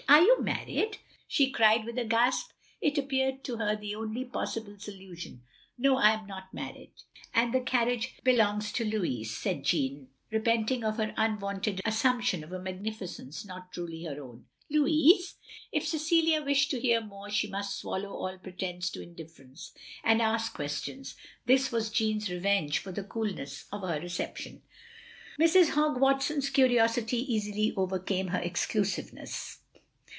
"Are you married?" she cried, with a gasp. It appeared to her the only possible solution. " No, I am not married, and the carriage belongs I70 THE LONELY LADY to Lotiis, " said Jeanne, repenting of her trnwonted assumption of a magnfficence not truly her own. "Louis!" If Cecilia wished to hear more, she must swallow all pretence to indifference, and ask questions. This was Jeanne's revenge for the coobiess of her reception. Mrs. Hogg Watson's curiosity easily overcame her exclusiveness.